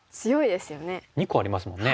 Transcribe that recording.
２個ありますもんね。